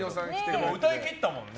でも歌い切ったもんね。